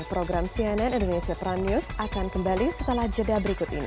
program cnn indonesia prime news akan kembali setelah jeda berikut ini